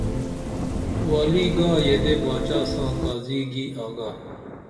والی گا یدے باچا ساں قاضی گی آگا